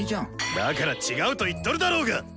だから違うと言っとるだろうが！